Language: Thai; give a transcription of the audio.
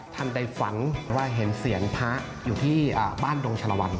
ท่านได้ฝันว่าเห็นเสียงพระอยู่ที่บ้านดงชะละวัน